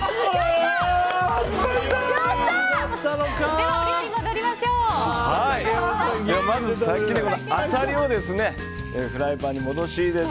では、お料理に戻ります。